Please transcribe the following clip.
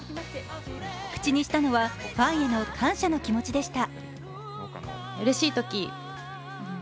口にしたのはファンへの感謝の気持ちでした。